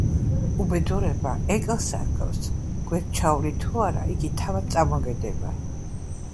უბედურება ეკალსა ჰგავს, გვერდს ჩაუვლი თუ არა, იგი თავად წამოგედება,